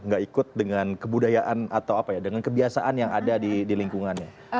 gak ikut dengan kebudayaan atau apa ya dengan kebiasaan yang ada di lingkungannya